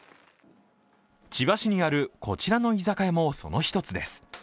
千葉市にあるこちらの居酒屋もその一つです。